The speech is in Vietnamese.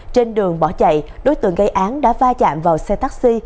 trên đường bỏ chạy đối tượng gây án đã va chạm vào xe taxi